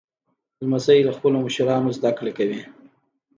لمسی له خپلو مشرانو زدهکړه کوي.